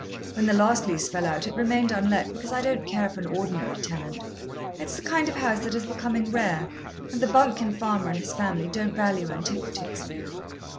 When the last lease fell out it remained unlet because I don't care for an ordinary tenant. It's the kind of house that is becoming rare, and the bumpkin farmer and his family don't value antiquities."